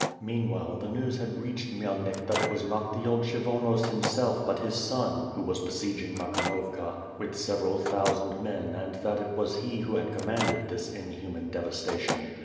Meanwhile the news had reached Khmyelnik that it was not the old Kshyvonos himself but his son, who was besieg ing ^lakhnovka with several thousand men and that it was he who had commanded this inhuman devastation.